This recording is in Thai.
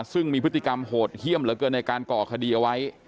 ซึ่งมีพฤติกรรมโหดเยี่ยมเหลือเกินในการก่อคดีเอาไว้